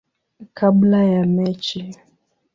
kabla ya mechi.